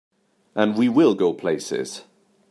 And will we go places!